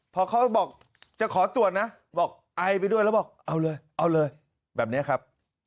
พอเขาบอกจะขอตรวจนะบอกไอไปด้วยแล้วบอกเอาเลยเอาเลยแบบนี้ครับ